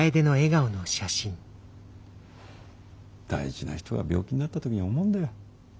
大事な人が病気になった時思うんだよ。